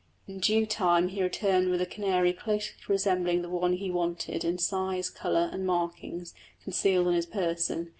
In due time he returned with a canary closely resembling the one he wanted in size, colour, and markings, concealed on his person.